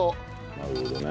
なるほどね。